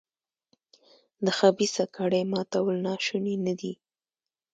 د خبیثه کړۍ ماتول ناشوني نه دي.